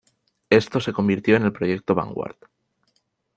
Esto se convirtió en el Proyecto Vanguard.